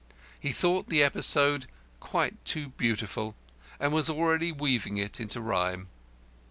He thought the episode quite too Beautiful, and was already weaving it into rhyme.